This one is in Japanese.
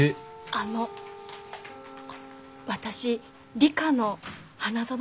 あの私理科の花園です。